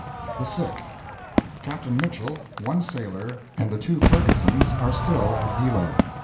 THE SICK Captain Mitchell, one sailor, and the two Fergusons are still at Hilo.